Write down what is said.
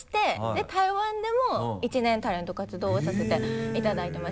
で台湾でも１年タレント活動をさせていただいてます。